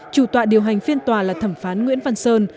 chủ tọa điều hành phiên tòa là thẩm phán nguyễn văn sơn